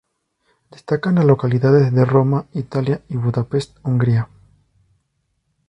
Destacan las localizaciones de Roma, Italia y Budapest, Hungría.